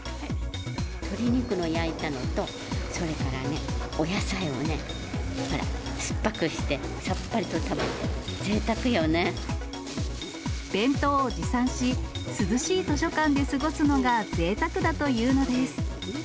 鶏肉の焼いたのと、それからね、お野菜をね、ほら、酸っぱくして、さっぱりと食べて、ぜいた弁当を持参し、涼しい図書館で過ごすのがぜいたくだというのです。